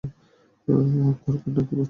আখ দরকার নাকি বাচ্চা?